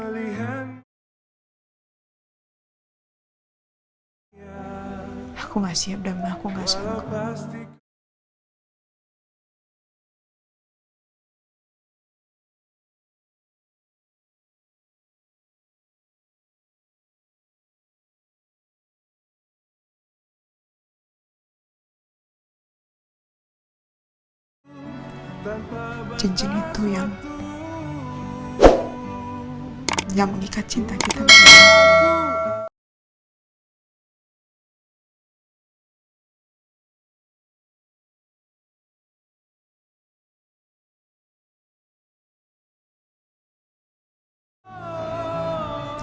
buat menunggu kamu pulang seakan terkikis